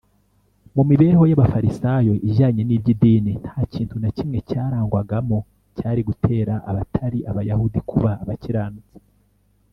mu mibereho y’abafarisayo ijyanye n’iby’idini, nta kintu na kimwe cyarangwagamo cyari gutera abatari abayahudi kuba abakiranutsi